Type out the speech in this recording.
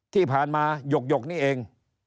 ที่ผ่านมาหยกนี่เอง